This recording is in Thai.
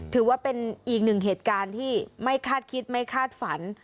ถือว่าเป็นอีกหนึ่งเหตุการณ์ที่ไม่คาดคิดไม่คาดฝัน